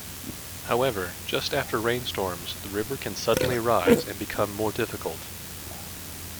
However, just after rainstorms, the river can suddenly rise and become more difficult.